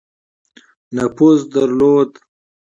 نفوذ درلود.